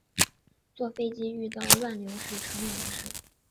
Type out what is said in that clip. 坐飞机遇到乱流是常有的事